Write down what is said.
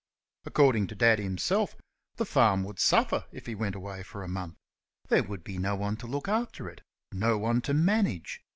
According to Dad himself, the farm would suffer if he went away for a month; there would be no one to look after it, no one to manage.